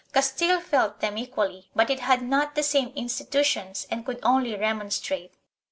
Castile felt them equally but it had not the same institutions and could only remonstrate.